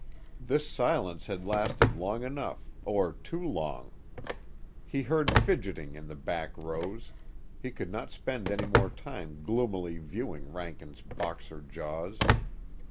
This silence had lasted long enough, or too long; he heard fidgeting in the back rows; he could not spend any more time gloomily viewing Rankin's Boxer jaws.